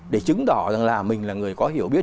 để chứng tỏ rằng là mình là người có hiểu biết